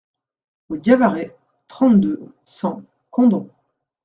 Rue Gavarret, trente-deux, cent Condom